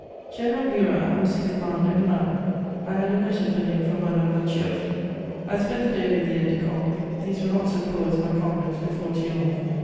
General Murat was in command at Milan. I had a letter for him from Madame Bacciochi. I spent the day with the aides de camp; these were not so poor as my comrades before Thionville.